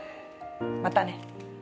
またね。